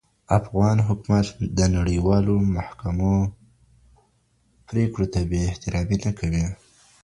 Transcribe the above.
افغان حکومت د نړیوالو محکمو پرېکړو ته بې احترامي نه کوي.